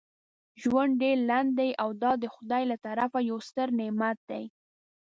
ژوند ډیر لنډ دی او دا دخدای له طرفه یو ستر نعمت دی.